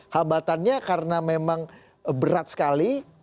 hambatannya karena memang berat sekali